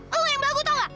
ah lo yang belagu tau nggak